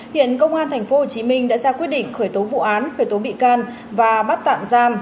hiện công an tp hcm đã ra quyết định khởi tố vụ án khởi tố bị can và bắt tạm giam